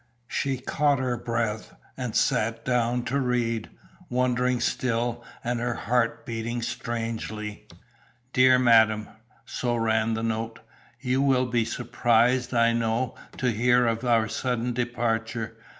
She caught her breath, and sat down to read, wondering still and her heart beating strangely. "DEAR MADAM" so ran the note "You will be surprised, I know, to hear of our so sudden departure.